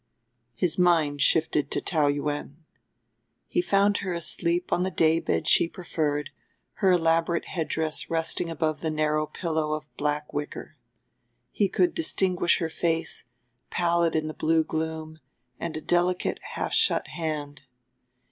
His mind shifted to Taou Yuen. He found her asleep on the day bed she preferred, her elaborate headdress resting above the narrow pillow of black wicker. He could distinguish her face, pallid in the blue gloom, and a delicate, half shut hand.